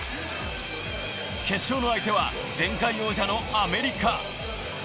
決勝の相手は前回王者のアメリカ。